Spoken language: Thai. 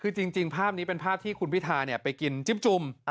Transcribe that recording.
คือจริงภาพนี้เป็นภาพที่คุณพิธาไปกินจิ้มจุ่ม